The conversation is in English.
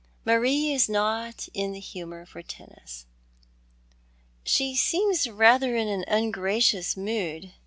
" Marie is not in the humour for tennis." "She seems rather in an ungracious mood.